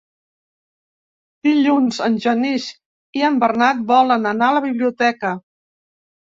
Dilluns en Genís i en Bernat volen anar a la biblioteca.